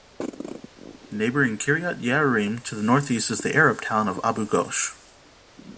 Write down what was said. Neighboring Kiryat Ye'arim to the northeast is the Arab town of Abu Ghosh.